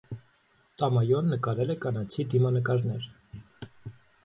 Տամայոն նկարել է կանացի դիմանկարներ։